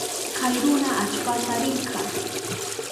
Kay runa allpata rirka.